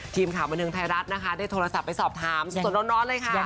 ทีมข่าวบันเทิงไทยรัฐนะคะได้โทรศัพท์ไปสอบถามสดร้อนเลยค่ะ